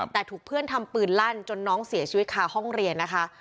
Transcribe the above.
แต่ถูกเพื่อนทำปืนลั่นจนน้องเสียชีวิตคาห้องเรียนนะคะ